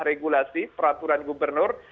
regulasi peraturan gubernur